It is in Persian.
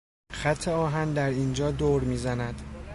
خط آهن در اینجا دور میزند.